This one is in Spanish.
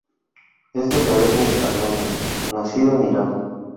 Es de la etnia armenia, nacido en Irán.